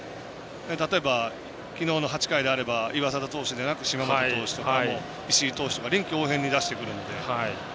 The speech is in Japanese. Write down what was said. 例えば昨日の８回であれば岩貞投手ではなく、石井投手とか臨機応変に出してくるので。